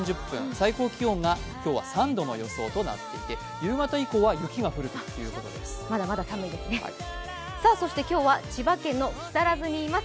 最高気温が今日は３度の予想となっていて、夕方以降は雪が降る予想となっています。